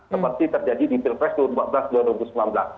seperti terjadi di pilpres dua ribu empat belas dua ribu sembilan belas